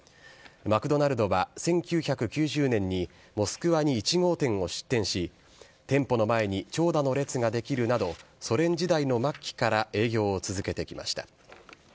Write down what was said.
マクドナルドは１９９０年にモスクワに１号店を出店し、店舗の前に長蛇の列が出来るなど、ソ連時代の末期から営業を続けてきました。